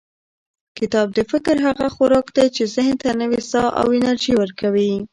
کتاب د فکر هغه خوراک دی چې ذهن ته نوې ساه او انرژي ورکوي.